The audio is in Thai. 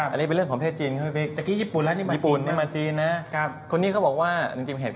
อันนี้เป็นเรื่องประเภทจีนเค้าให้พิก